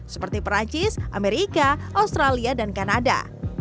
seperti perancis amerika australia dan kanada